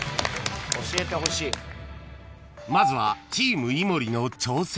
［まずはチーム井森の挑戦］